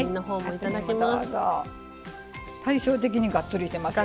いただきます。